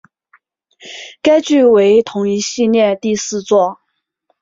该剧为同一系列第四作。